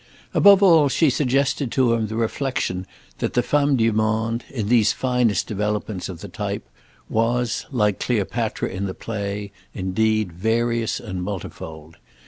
Above all she suggested to him the reflexion that the femme du monde—in these finest developments of the type—was, like Cleopatra in the play, indeed various and multifold.